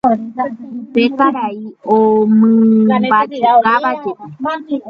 Upe karai omymbajukávajepi.